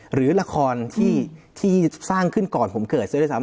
หรือละครที่สร้างขึ้นก่อนผมเกิด